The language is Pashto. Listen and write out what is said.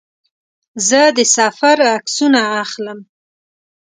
زه د سفر عکسونه اخلم.